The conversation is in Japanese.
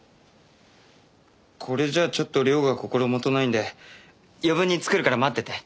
これじゃあちょっと量が心許ないんで余分に作るから待ってて。